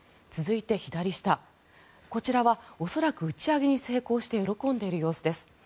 続いて左下、こちらは恐らく打ち上げに成功して喜んでいる様子です。